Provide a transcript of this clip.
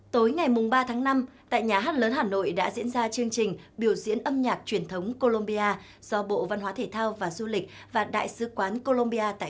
tối ngày ba tháng năm tại nhà hát lớn hà nội đã diễn ra chương trình biểu diễn âm nhạc truyền thống colombia do bộ văn hóa thể thao và du lịch và đại sứ quán colombia